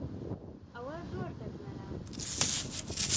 ئەوە زۆر دەگمەنە.